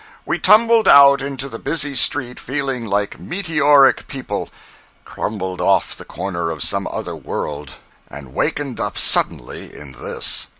We tumbled out into the busy street feeling like meteoric people crumbled off the corner of some other world, and wakened up suddenly in this.